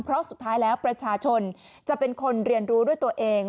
เพราะสุดท้ายแล้วประชาชนจะเป็นคนเรียนรู้ด้วยตัวเอง